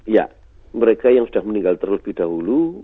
ya mereka yang sudah meninggal terlebih dahulu